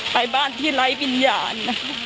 ไปบ้านที่ไร้วิญญาณ